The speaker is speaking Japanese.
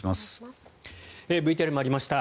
ＶＴＲにもありました